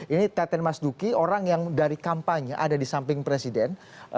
ini teten mas duki orang yang dari kampanye ada di samping presiden